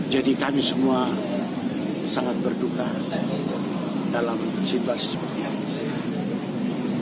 jadi kami semua sangat berduka dalam situasi sepertinya